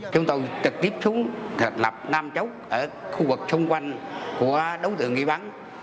chúng tôi trực tiếp xuống lập nam chốc ở khu vực xung quanh của đống tượng nghi bắn